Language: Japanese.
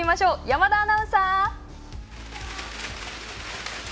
山田アナウンサー。